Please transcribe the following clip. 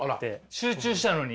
集中したのに？